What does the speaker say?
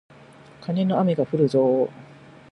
カネの雨がふるぞー